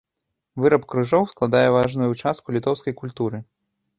Выраб крыжоў складае важную частку літоўскай культуры.